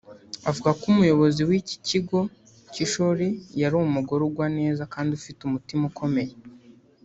Avuga ko Umuyobozi w’iki kigo cy’ishuri yari umugore ugwa neza kandi ufite umutima ukomeye